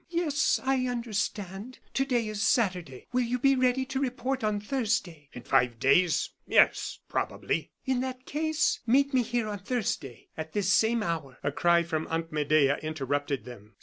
"Yes, I understand. To day is Saturday; will you be ready to report on Thursday?" "In five days? Yes, probably." "In that case, meet me here on Thursday, at this same hour." A cry from Aunt Medea interrupted them.